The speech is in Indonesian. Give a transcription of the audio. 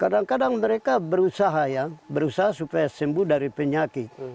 kadang kadang mereka berusaha ya berusaha supaya sembuh dari penyakit